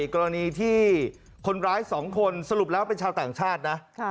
กรณีที่คนร้าย๒คนสรุปแล้วเป็นชาวต่างชาตินะ